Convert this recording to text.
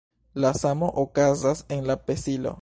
La samo okazas en la pesilo.